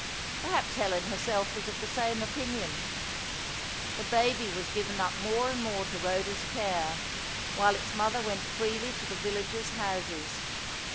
Perhaps Helen herself was of the same opinion. The baby was given up more and more to Rhoda's care, while its mother went freely to the villagers' houses.